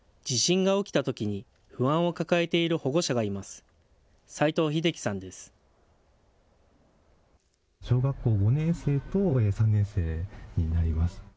地震が起きたときに不安を抱えている保護者がいます。